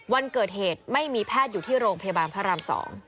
วันเกิดเหตุไม่มีแพทย์อยู่ที่โรงพยาบาลพระราม๒